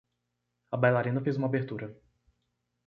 A bailarina fez uma abertura